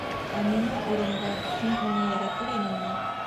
—Ә минең урында һин уны яратыр инеңме?